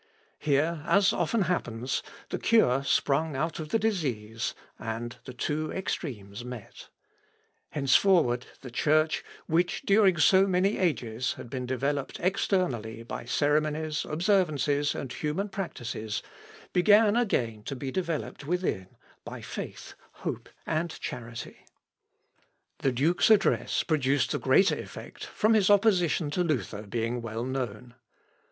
Here, as often happens, the cure sprung out of the disease, and the two extremes met. Henceforward the Church, which during so many ages had been developed externally by ceremonies, observances, and human practices, began again to be developed within by faith, hope, and charity. [Sidenote: LIST OF GRIEVANCES.] The duke's address produced the greater effect from his opposition to Luther being well known.